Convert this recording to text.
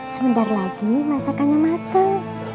sebentar lagi masakannya mateng